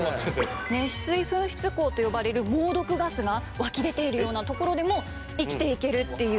熱水噴出孔と呼ばれる猛毒ガスが湧き出ているようなところでも生きていけるっていう。